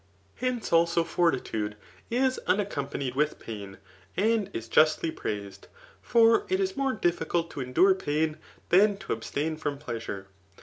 Hence also fortitude is unaccompanied with pain, and is justly praised ; for it is more difEcult to endure pain, than to abstain from pleasure.